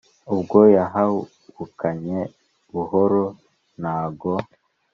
ubwo yahabukanye i buhonora-ntango.